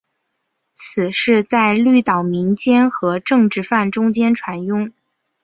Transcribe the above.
此事在绿岛民间和政治犯中间传诵。